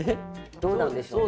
どうなんでしょうね。